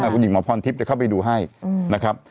คุณหญิงหมอพรทิพย์จะเข้าไปดูให้นะครับ